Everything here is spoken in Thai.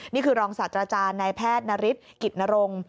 นี่คือรองศาสตร์อาจารย์นายแพทย์ณฤทธิ์กิตนรง